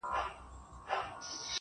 زه يې د نوم تر يوه ټكي صدقه نه سومه.